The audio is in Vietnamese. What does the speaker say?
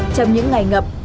trong những ngày ngập